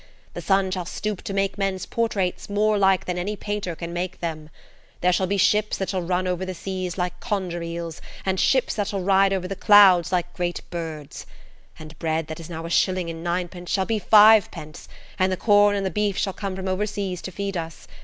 The sun shall stoop to make men's portraits more like than any painter can make them. There shall be ships that shall run under the seas like conger eels, and ships that shall ride over the clouds like great birds. And bread that is now a shilling and ninepence shall be five pence, and the corn and the beef shall come from overseas to feed us.